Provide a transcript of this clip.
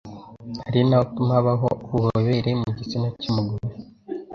ari nawo utuma habaho ububobere mu gitsina cy'umugore.